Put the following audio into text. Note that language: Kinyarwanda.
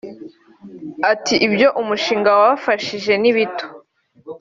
Ati “ibyo umushinga wabafashije ni bito